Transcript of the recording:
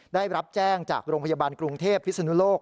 ได้รับแจ้งจากโรงพยาบาลกรุงเทพพิศนุโลก